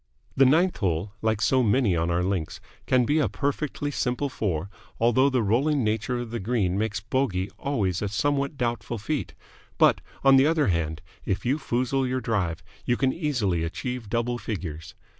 The ninth hole, like so many on our links, can be a perfectly simple four, although the rolling nature of the green makes bogey always a somewhat doubtful feat; but, on the other hand, if you foozle your drive, you can easily achieve double figures.